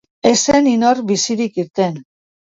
Ez zen inor bizirik irten.